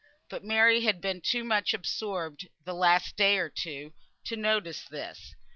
But Mary had been too much absorbed this last day or two to notice this.